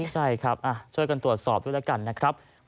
ใช่ครับช่วยกันตรวจสอบด้วยแล้วกันนะครับ